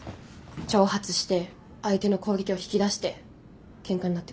挑発して相手の攻撃を引き出してケンカになってください。